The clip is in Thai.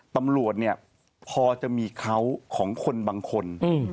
ตำรวจเนี่ยพอจะมีเขาของคนบางคน